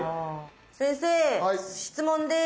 先生質問です。